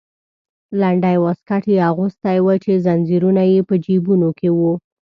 لنډی واسکټ یې اغوستی و چې زنځیرونه یې په جیبونو کې وو.